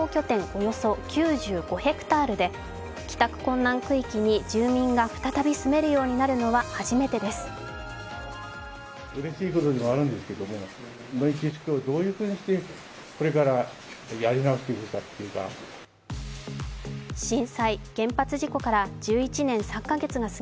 およそ９５ｈａで、帰宅困難区域に住民が再び住めるようになるのは初めてです。